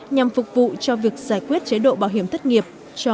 nhằm phục vụ cho việc giải quyết chế độ bảo hiểm thất nghiệp